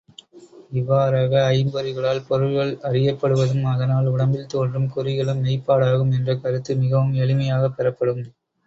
இவ்வாறாக ஐம்பொறிகளால் பொருள்கள் அறியப்படுவதும் அதனால் உடம்பில் தோன்றும் குறிகளும் மெய்ப்பாடாகும் என்ற கருத்து மிகவும் எளிமையாகப் பெறப்படும்.